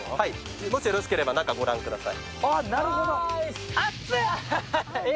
もしよろしければ中、ご覧ください。